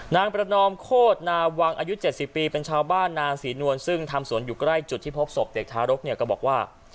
นางประนอมโคตรนาวังอายุ๗๐ปีเป็นชาวบ้านนางศรีนวลซึ่งทำสวนอยู่ใกล้จุดที่พบศพเด็กทารกเนี่ยก็บอกว่า